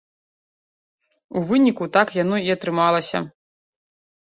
У выніку так яно і атрымалася.